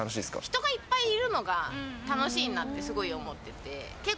人がいっぱいいるのが楽しいなってすごい思ってて。